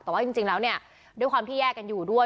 แต่ว่าจริงแล้วเนี่ยด้วยความที่แยกกันอยู่ด้วย